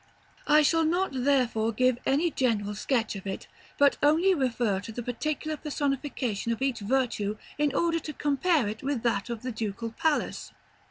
I shall not therefore give any general sketch of it, but only refer to the particular personification of each virtue in order to compare it with that of the Ducal Palace.